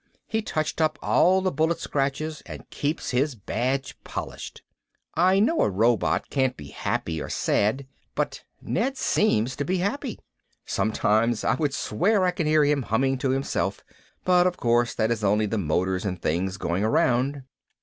He touched up all the bullet scratches and keeps his badge polished. I know a robot can't be happy or sad but Ned seems to be happy. Sometimes I would swear I can hear him humming to himself. But, of course, that is only the motors and things going around.